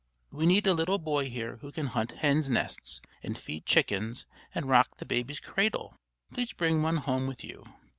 We need a little boy here who can hunt hens' nests and feed chickens, and rock the baby's cradle. Please bring one home with you."